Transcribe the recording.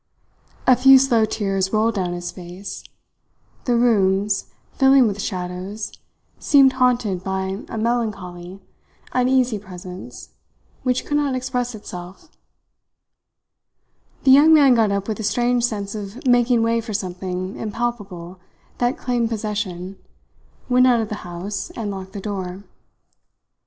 A few slow tears rolled down his face. The rooms, filling with shadows, seemed haunted by a melancholy, uneasy presence which could not express itself. The young man got up with a strange sense of making way for something impalpable that claimed possession, went out of the house, and locked the door.